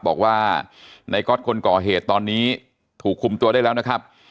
บอกว่าในก๊อตคนก่อเหตุตอนนี้ถูกคุมตัวได้แล้วนะครับ